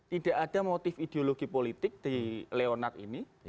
tidak ada motif ideologi politik di leonard ini